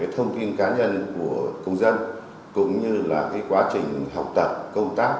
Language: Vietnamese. thông tin cá nhân của công dân cũng như là quá trình học tập công tác